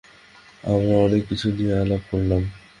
আমরা অনেক কিছু নিয়ে আলাপ করলাম।